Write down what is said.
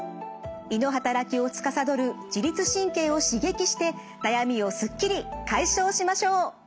胃の働きをつかさどる自律神経を刺激して悩みをすっきり解消しましょう！